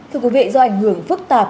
thưa quý vị do ảnh hưởng phức tạp